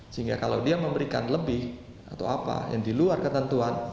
sehingga kalau dia memberikan lebih atau apa yang di luar ketentuan